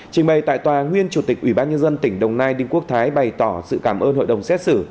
trình bày tại tòa nguyên chủ tịch ủy ban nhân dân tỉnh đồng nai đinh quốc thái bày tỏ sự cảm ơn hội đồng xét xử